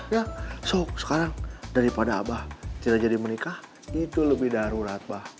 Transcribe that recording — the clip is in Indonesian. ya so sekarang daripada abah tidak jadi menikah itu lebih darurat pak